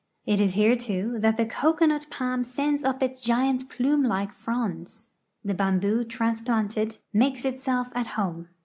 It is here, too, that the cocoanut palm sends up its giant plume like fronds. The bamboo transplanted makes itself at home.